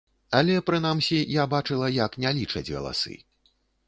Але, прынамсі, я бачыла, як не лічаць галасы.